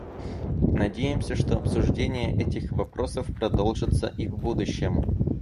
Надеемся, что обсуждение этих вопросов продолжится и в будущем.